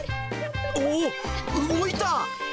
おー、動いた！